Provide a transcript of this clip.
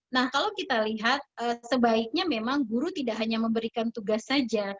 nah kalau kita lihat sebaiknya memang guru tidak hanya memberikan tugas saja